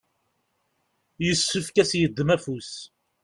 yessefk ad s-yeddem afus.